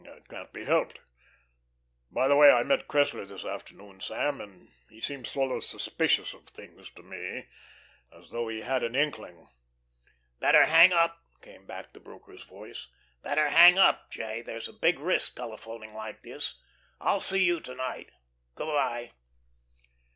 It can't be helped. By the way, I met Cressler this afternoon, Sam, and he seemed sort of suspicious of things, to me as though he had an inkling." "Better hang up," came back the broker's voice. "Better hang up, J. There's big risk telephoning like this. I'll see you to night. Good by."